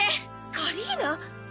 カリーナ！？